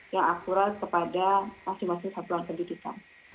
yang akurat kepada masing masing satuan pendidikan